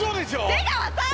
出川さん！